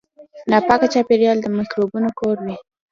ناپاک چاپیریال د میکروبونو کور وي.